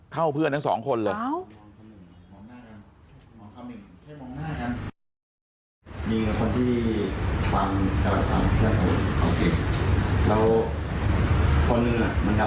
เพื่อนทั้งสองคนเลย